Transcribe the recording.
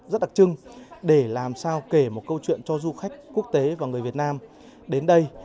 rất đặc trưng để làm sao kể một câu chuyện cho du khách quốc tế và người việt nam đến đây